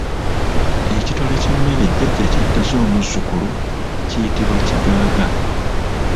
Ekitole ky’emmere jajja kyaddiza omuzzukulu kiyitibwa Kigaaga.